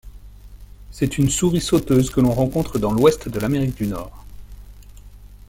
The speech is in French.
C'est une souris sauteuse que l'on rencontre dans l'ouest de l'Amérique du Nord.